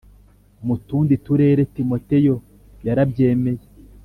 mu tundi turere Timoteyo yarabyemeye